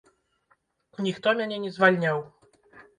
Ніхто мяне не звальняў.